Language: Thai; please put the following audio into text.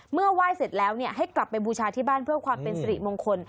ไหว้เสร็จแล้วให้กลับไปบูชาที่บ้านเพื่อความเป็นสิริมงคล